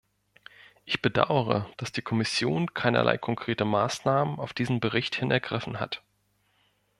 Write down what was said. Ich bedauere, dass die Kommission keinerlei konkrete Maßnahmen auf diesen Bericht hin ergriffen hat.